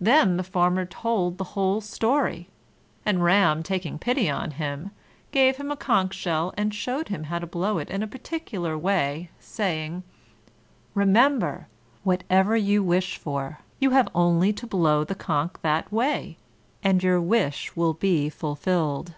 Then the Farmer told the whole story, and Ram, taking pity on him, gave him a conch shell, and showed him how to blow it in a particular way, saying: "Remember! whatever you wish for, you have only to blow the conch that way, and your wish will be fulfilled.